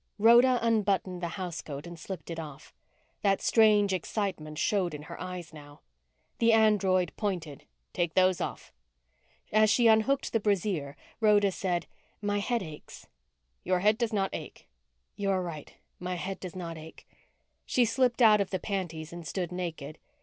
Rhoda unbuttoned the housecoat and slipped it off. That strange excitement showed in her eyes now. The android pointed. "Take those off." As she unhooked her brassiere, Rhoda said, "My head aches." "Your head does not ache." "You are right, my head does not ache." She slipped out of the panties and stood naked.